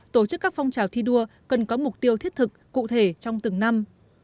tổ chức các phong trào thi đua cần có mục tiêu thiết thực cụ thể trong từng năm